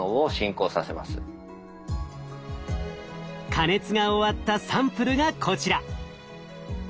加熱が終わったサンプルがこちら。